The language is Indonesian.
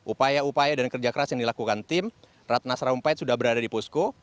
upaya upaya dan kerja keras yang dilakukan tim ratna sarumpait sudah berada di posko